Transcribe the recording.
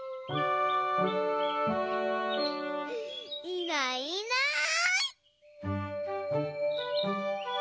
いないいない。